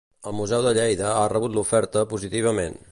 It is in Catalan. El Museu de Lleida ha rebut l'oferta positivament.